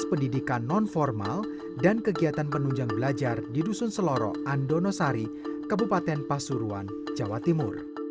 pertanyaan terakhir bagaimana penyelesaian yayasan ini